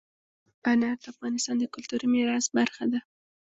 انار د افغانستان د کلتوري میراث برخه ده.